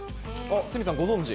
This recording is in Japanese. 鷲見さん、ご存じ？